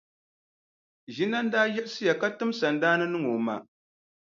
Ʒinani daa yiɣisiya ka tim sandaani niŋ o ma.